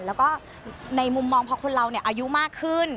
แล้วก็ในมุมมองพอคนเราอายุมากขึ้น